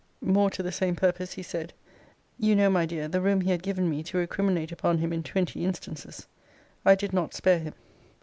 More to the same purpose he said. You know, my dear, the room he had given me to recriminate upon him in twenty instances. I did not spare him.